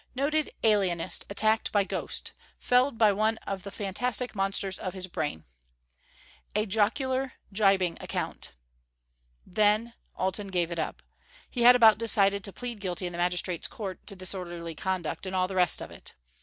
NOTED ALIENIST ATTACKED BY GHOST Felled by One of the Fantastic Monsters of His Brain A jocular, jibing account. Then Alten gave it up. He had about decided to plead guilty in the Magistrate's Court to disorderly conduct and all the rest of it!